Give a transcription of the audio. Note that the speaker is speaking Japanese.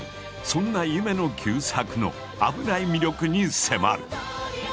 そんな夢野久作の危ない魅力に迫る。